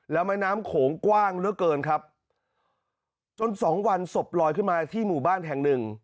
แล้วแม่น้ำโขงกว้างเหลือเกินครับจนสองวันศพลอยขึ้นมาที่หมู่บ้านแห่งหนึ่ง